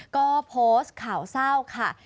ก็โพสต์ข่าวเศร้าค่ะ